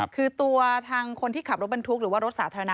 คือตัวทางคนที่ขับรถบรรทุกหรือว่ารถสาธารณะ